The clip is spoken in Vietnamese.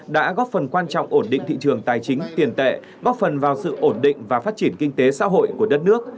đã góp phần quan trọng ổn định thị trường tài chính tiền tệ góp phần vào sự ổn định và phát triển kinh tế xã hội của đất nước